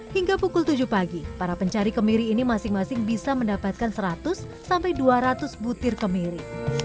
hingga pukul tujuh pagi para pencari kemiri ini masing masing bisa mendapatkan seratus sampai dua ratus butir kemiri